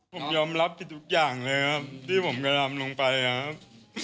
ผมยอมรับผิดทุกอย่างเลยครับที่ผมกระทำลงไปครับ